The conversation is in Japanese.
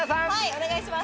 お願いします。